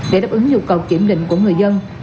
để đáp ứng nhu cầu kiểm định của người dân